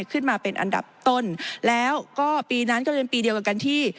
ขึ้นมาเป็นอันดับต้นแล้วก็ปีนั้นก็เป็นปีเดียวกับกันที่